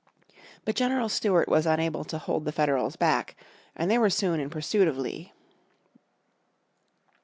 But General Stuart was unable to hold the Federals back, and they were soon in pursuit of Lee.